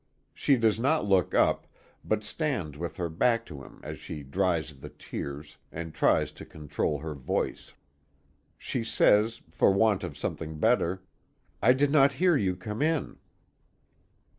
She does not look up, but stands with her back to him as she dries the tears, and tries to control her voice. She says for want of something better: "I did not hear you come in."